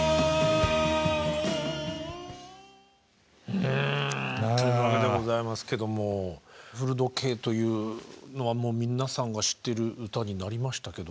うんというわけでございますけども「古時計」というのはもう皆さんが知ってる歌になりましたけど。